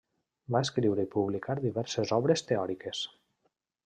Va escriure i publicar diverses obres teòriques.